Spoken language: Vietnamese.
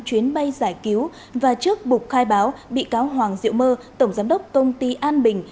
chuyến bay giải cứu và trước bục khai báo bị cáo hoàng diệu mơ tổng giám đốc công ty an bình